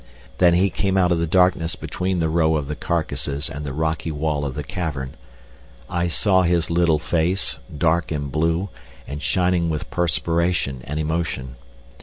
Then he came out of the darkness between the row of the carcasses and the rocky wall of the cavern. I saw his little face, dark and blue, and shining with perspiration and emotion.